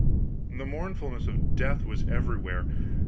The mournfulness of death was everywhere.